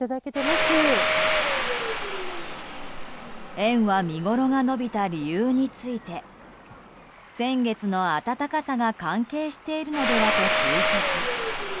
園は見ごろが延びた理由について先月の温かさが関係しているのではと推測。